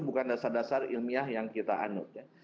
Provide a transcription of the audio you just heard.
bukan dasar dasar ilmiah yang kita anut ya